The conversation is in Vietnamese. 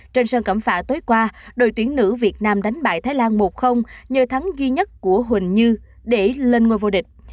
trên sân cẩm phả tối qua đội tuyển nữ việt nam đánh bại thái lan một nhờ thắng duy nhất của huỳnh như để lên ngôi vô địch